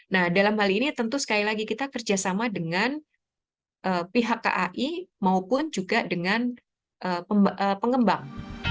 nah dalam hal ini tentu sekali lagi kita kerjasama dengan pihak kai maupun juga dengan pengembang